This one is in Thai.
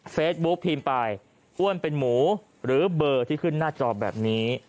เฟซบุ๊คพิมพ์ไปอ้วนเป็นหมูหรือเบอร์ที่ขึ้นหน้าจอแบบนี้